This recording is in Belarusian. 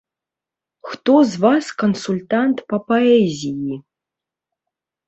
Хто з вас кансультант па паэзіі?